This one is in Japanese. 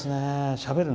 しゃべるな？